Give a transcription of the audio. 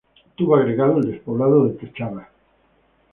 Tuvo agregado el despoblado de Techada.